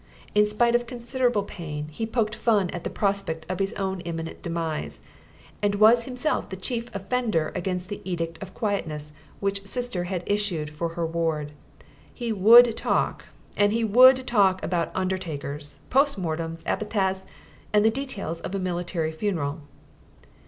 In spite of considerable pain, he poked fun at the prospect of his own imminent demise, and was himself the chief offender against the edict of quietness which "Sister" had issued for her ward. He would talk; and he would talk about undertakers, post mortems, epitaphs and the details of a military funeral.